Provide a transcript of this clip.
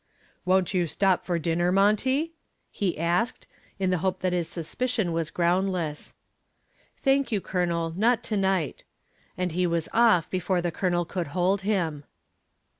"Won't you stop for dinner, Monty?" he asked, in the hope that his suspicion was groundless. "Thank you, Colonel, not to night," and he was off before the Colonel could hold him.